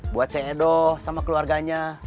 buat saya edo sama keluarganya